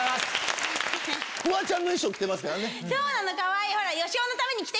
フワちゃんの衣装着てますからね。